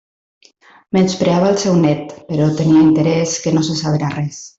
Menyspreava el seu nét, però tenia interès que no se sabera res.